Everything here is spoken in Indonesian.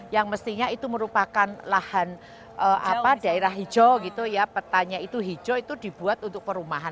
yang mestinya itu merupakan lahan daerah hijau gitu ya petanya itu hijau itu dibuat untuk perumahan